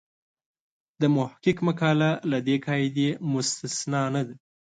د محق مقاله له دې قاعدې مستثنا نه ده.